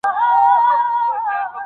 ایا استاد شاګرد ته خپلواکي ورکوي؟